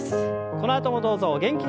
このあともどうぞお元気に。